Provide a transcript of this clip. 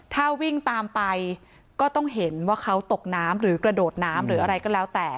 ถ้าวิ่งตามไปก็ต้องเห็นว่าเขาตกน้ำหรือกระโดดน้ำหรืออะไรก็แล้วแต่